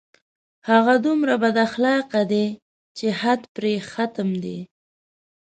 هغه دومره بد اخلاقه دی چې حد پرې ختم دی